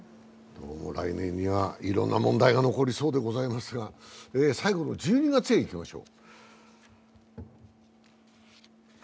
来年にはいろんな問題が残りそうでございますが、最後の１２月へいきましょう。